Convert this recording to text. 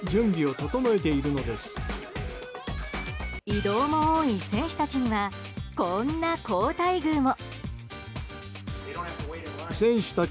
移動も多い選手たちにはこんな好待遇も。